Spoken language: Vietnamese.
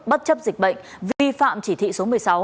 bất chấp dịch bệnh vi phạm chỉ thị số một mươi sáu